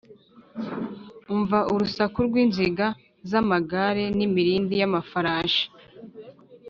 umva urusaku rw’inziga z’amagare n’ imirindi y’amafarashi